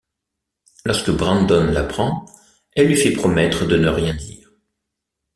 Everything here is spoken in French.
Lorsque Brandon l'apprend, elle lui fait promettre de ne rien dire.